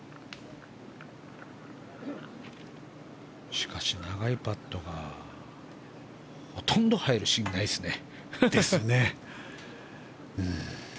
しかし長いパットがほとんど入るシーンはないですね。ですね。